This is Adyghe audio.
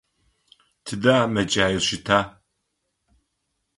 Тыдэ мэкӏаир щыта?